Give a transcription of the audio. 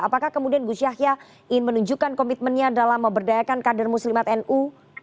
apakah kemudian gus yahya ingin menunjukkan komitmennya dalam memberdayakan kader muslimat nu